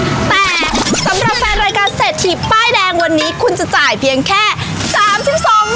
แต่สำหรับแฟนรายการเศรษฐีป้ายแดงวันนี้คุณจะจ่ายเพียงแค่๓๒บาท